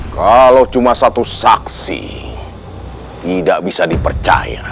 kalau cuma satu saksi tidak bisa dipercaya